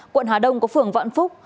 quận hà đông có phường vạn phúc